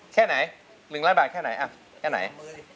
แค่ไหน๑ล้านบาทแค่ไหนอ้าวแค่ไหน